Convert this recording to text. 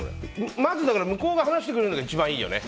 まず、向こうが話してくれるのが一番いいよね。